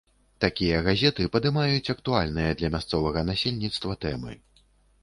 Такія газеты падымаюць актуальныя для мясцовага насельніцтва тэмы.